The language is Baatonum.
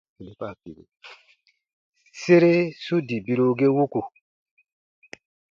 Sere su dii biru ge wuku.